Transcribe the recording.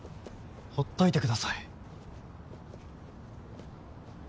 放っといてください。